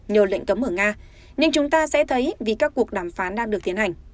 nhờ lệnh cấm ở nga nhưng chúng ta sẽ thấy vì các cuộc đàm phán đang được tiến hành